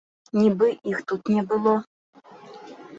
Нібы іх тут не было.